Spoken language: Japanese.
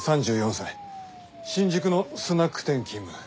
新宿のスナック店勤務。